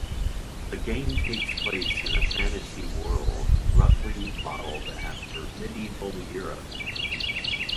The game takes place in a fantasy world roughly modelled after medieval Europe.